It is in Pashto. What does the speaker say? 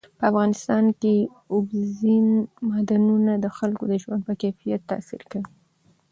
په افغانستان کې اوبزین معدنونه د خلکو د ژوند په کیفیت تاثیر کوي.